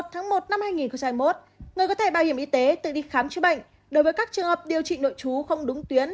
từ ngày một một hai nghìn hai mươi một người có thể bảo hiểm y tế tự đi khám chứa bệnh đối với các trường hợp điều trị nợ chú không đúng tuyến